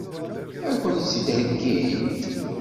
Ad kent-tt-id-heggint?